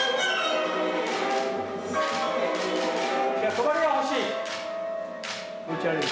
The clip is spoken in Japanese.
止まりが欲しい！